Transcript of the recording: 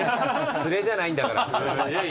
連れじゃないんだから。